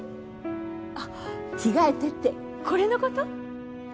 あっ着替えてってこれのこと？